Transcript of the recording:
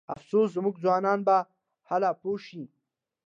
افسوس زموږ ځوانان به هله پوه شي.